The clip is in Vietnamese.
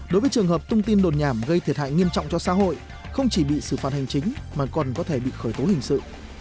đối với trường hợp tung tin đồn nhảm gây thiệt hại nghiêm trọng cho xã hội không chỉ bị xử phạt hành chính mà còn có thể bị khởi tố hình sự